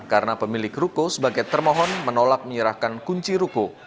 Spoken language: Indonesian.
karena pemilik ruko sebagai termohon menolak menyerahkan kunci ruko